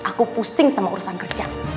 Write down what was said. aku pusing sama urusan kerja